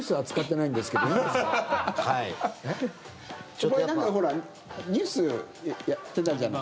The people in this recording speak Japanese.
なんかほらニュースやってたじゃない。